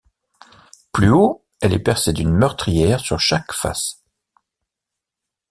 Plus haut, elle est percée d'une meurtrière sur chaque face.